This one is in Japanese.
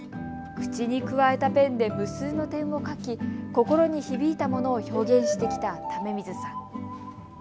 口にくわえたペンで無数の点を描き、心に響いたものを表現してきた為水さん。